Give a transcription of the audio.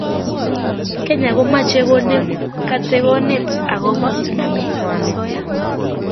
kenya komache konem katigonet akobo namet ab asoya